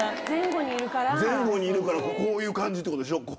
前後にいるから、こういう感じってことでしょ。